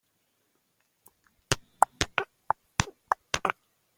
I am allergic to penicillin.